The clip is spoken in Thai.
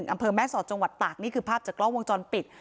อำเภอแม่สอดจังหวัดตากนี่คือภาพจากกล้องวงจรปิด